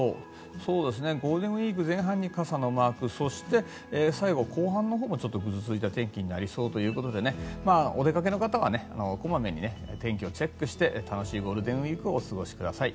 ゴールデンウィーク前半に傘のマーク最後、後半のほうもぐずついた天気になりそうということでお出かけの方はこまめにお天気をチェックして楽しいゴールデンウィークをお過ごしください。